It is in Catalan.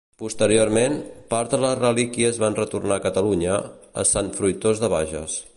Posteriorment, part de les relíquies van retornar a Catalunya, a Sant Fruitós de Bages.